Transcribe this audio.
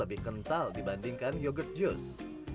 lebih kental dibandingkan yogurt jus